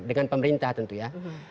dengan pemerintah tentu ya